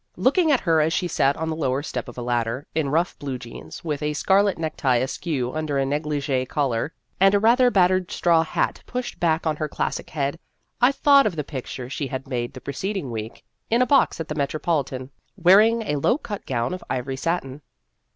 Looking at her as she sat on the lower step of a ladder, in rough blue jeans, with a scarlet necktie askew under a negligee collar, and a rather battered straw hat pushed back on her classic head, I thought of the picture she had made the preceding week, in a box at the Metropolitan, wear ing a low cut gown of ivory satin.